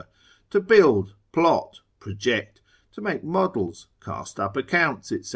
To build, plot, project, to make models, cast up accounts, &c.)